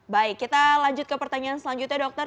baik kita lanjut ke pertanyaan selanjutnya dokter